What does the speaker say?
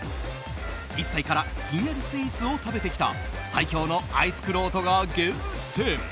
１歳からひんやりスイーツを食べてきた最強のアイスくろうとが厳選。